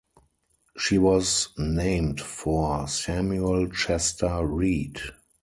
She was named for Samuel Chester Reid.